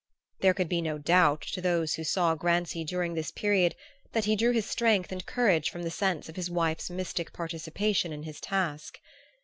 There could be no doubt to those who saw Grancy during this period that he drew his strength and courage from the sense of his wife's mystic participation in his task.